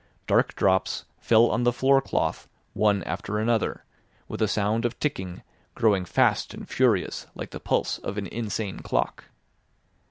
Dark drops fell on the floorcloth one after another, with a sound of ticking growing fast and furious like the pulse of an insane clock.